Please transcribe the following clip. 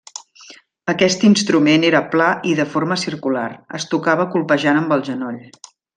Aquest instrument era pla i de forma circular, es tocava colpejant amb el genoll.